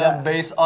ya itu dia